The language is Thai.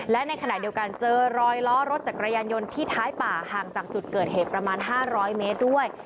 และในขณะเดียวกันเจอรอยล้อรถจักรยานยนต์ที่ท้ายป่าห่างจากจุดเกิดเหตุประมาณ๕๐๐เมตรด้วย